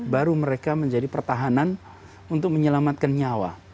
baru mereka menjadi pertahanan untuk menyelamatkan nyawa